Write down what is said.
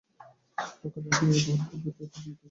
ওখানে গিয়ে এমন ভান করবে যেন তুমি সবকিছু ভূলে গেছো।